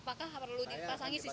apakah perlu dipasangi cctv